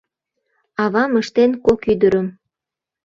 Авам ыштен кок ӱдырым -